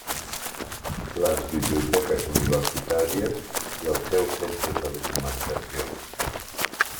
Les biblioteques universitàries i els seus centres de documentació.